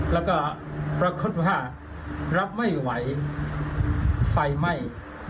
แล้วก็ปรากฏว่ารับไม่ไหวไฟไหม้